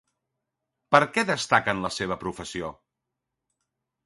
Per què destaca en la seva professió?